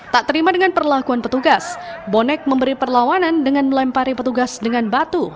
tak terima dengan perlakuan petugas bonek memberi perlawanan dengan melempari petugas dengan batu